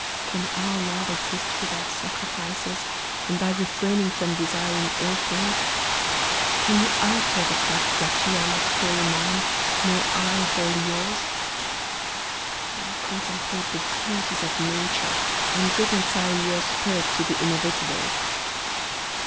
can our love exist without sacrifices, and by refraining from desiring all things? Can you alter the fact that you are not wholly mine, nor I wholly yours? Ah! contemplate the beauties of Nature, and reconcile your spirit to the inevitable.